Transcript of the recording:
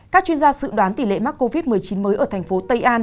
các chuyên gia dự đoán tỷ lệ mắc covid một mươi chín mới ở thành phố tây an